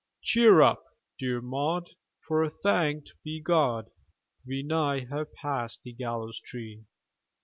"Cheer up, dear Maud, for, thanked be God, We nigh have passed the gallows tree!"